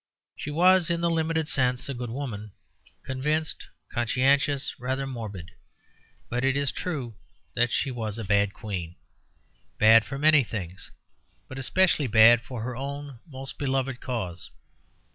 She was, in the limited sense, a good woman, convinced, conscientious, rather morbid. But it is true that she was a bad queen; bad for many things, but especially bad for her own most beloved cause.